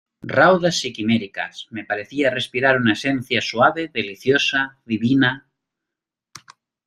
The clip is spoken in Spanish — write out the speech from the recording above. raudas y quiméricas, me parecía respirar una esencia suave , deliciosa , divina: